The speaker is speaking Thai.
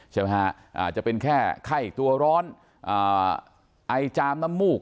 จะเป็นแค่ไข้ตัวร้อนไอจามน้ำมูก